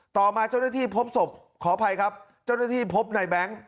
ต่อมาเจ้าหน้าที่พบศพขออภัยครับเจ้าหน้าที่พบในแบงค์